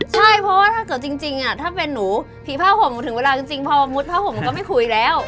ใช่เพราะว่าถ้าเกิดจริงถ้าเป็นหนูผีผ้าห่มหนูถึงเวลาจริงพอมุดผ้าห่มก็ไม่คุยแล้ว